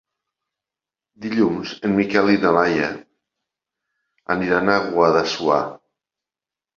Dilluns en Miquel i na Laia aniran a Guadassuar.